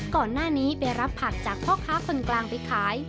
ก่อนหน้านี้ไปรับผักจากพ่อค้าคนกลางไปขาย